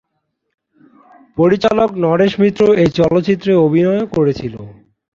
পরিচালক নরেশ মিত্র এই চলচ্চিত্রে অভিনয়ও করেছিল।